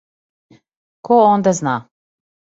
Ко онда зна?